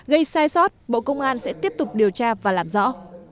gây sai sót bộ công an sẽ tiếp tục điều tra và làm rõ